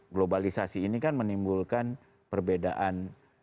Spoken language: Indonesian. globalisasi ini kan menimbulkan perbedaan